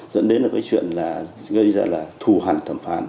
dẫn đến là cái chuyện là gây ra là thù hẳn thẩm phán